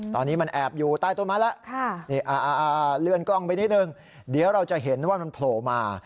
ตอนนี้มันแอบอยู่ใต้ต้นไม้แล้วเลื่อนกล้องไปนิดนึงเดี๋ยวเราจะเห็นว่ามันโผล่มา